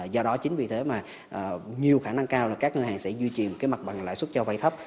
do đó chính vì thế mà nhiều khả năng cao là các ngân hàng sẽ duy trì mặt bằng lãi suất cho vay thấp